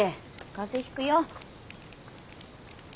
風邪ひくよ。